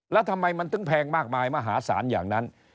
แล้วทำไมมันถึงแพงมากมายมหาศาลอย่างนั้น